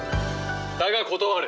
だが断る。